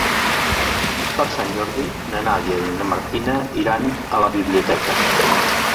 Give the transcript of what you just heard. Per Sant Jordi na Nàdia i na Martina iran a la biblioteca.